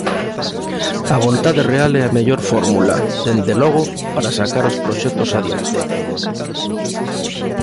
A vontade real é a mellor fórmula, dende logo, para sacar os proxectos adiante.